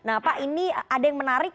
nah pak ini ada yang menarik